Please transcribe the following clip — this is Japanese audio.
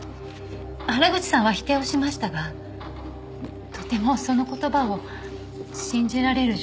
原口さんは否定をしましたがとてもその言葉を信じられる状態になかったんです。